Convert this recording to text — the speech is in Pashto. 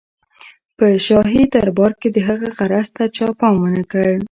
په شاهي دربار کې د هغه عرض ته چا پام ونه کړ.